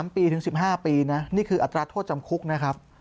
๓ปีถึง๑๕ปีนะนี่คืออัตราโทษจำคุกนะครับ